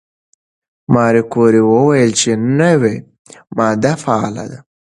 ماري کوري وویل چې نوې ماده فعاله ده.